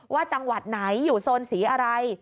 จังหวัดไหนอยู่โซนสีอะไร